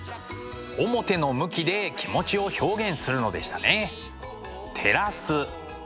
面の向きで気持ちを表現するのでしたね。